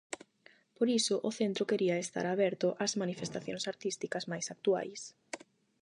Por iso o centro quería estar aberto ás manifestacións artísticas mais actuais.